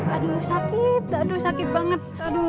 aduh sakit aduh sakit banget